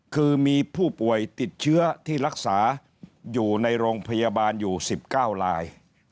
คือมีผู้ป่วยติดเชื้อที่รักษาอยู่ในโรงพยาบาลอยู่๑๙ลาย